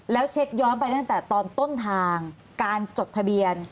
แล้วเช็คย้อนไปตั้งแต่ตอนต้นทางการจดทะเบียน